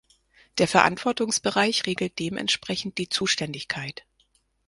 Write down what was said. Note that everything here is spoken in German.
Der Verantwortungsbereich regelt dementsprechend die Zuständigkeit.